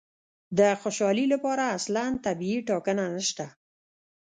د خوشالي لپاره اصلاً طبیعي ټاکنه نشته.